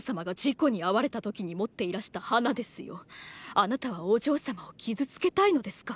あなたはお嬢様を傷付けたいのですか？